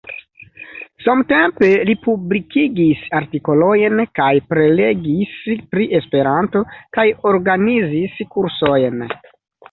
Samtempe li publikigis artikolojn kaj prelegis pri Esperanto kaj organizis kursojn.